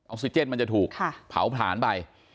ซิเจนมันจะถูกเผาผลาญไป